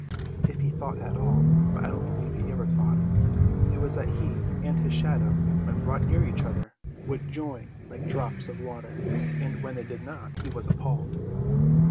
If he thought at all, but I don't believe he ever thought, it was that he and his shadow, when brought near each other, would join like drops of water, and when they did not he was appalled.